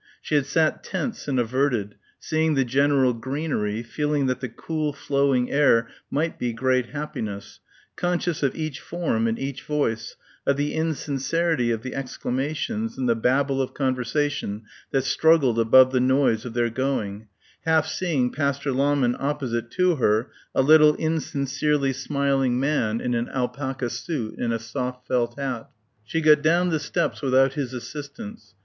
She had sat tense and averted, seeing the general greenery, feeling that the cool flowing air might be great happiness, conscious of each form and each voice, of the insincerity of the exclamations and the babble of conversation that struggled above the noise of their going, half seeing Pastor Lahmann opposite to her, a little insincerely smiling man in an alpaca suit and a soft felt hat. She got down the steps without his assistance.